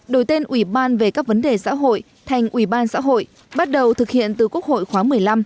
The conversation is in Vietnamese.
đổi tên ủy ban về các vấn đề xã hội thành ủy ban xã hội bắt đầu thực hiện từ quốc hội khóa một mươi năm